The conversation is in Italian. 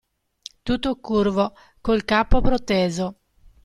Tutto curvo, col capo proteso.